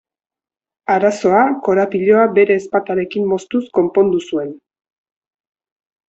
Arazoa, korapiloa bere ezpatarekin moztuz konpondu zuen.